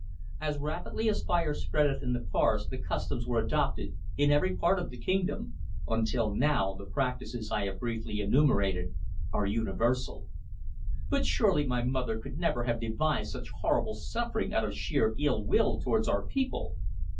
As rapidly as fire spreadeth in the forest the customs were adopted in every part of the kingdom, until now the practices I have briefly enumerated are universal." "But surely my mother could never have devised such horrible suffering out of sheer ill will towards our people?"